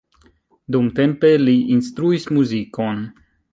Dumtempe li instruis muzikon.